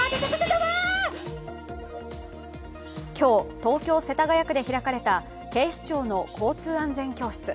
今日、東京・世田谷区で開かれた警視庁の交通安全教室。